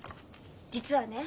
実はね